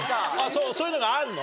そういうのがあるの？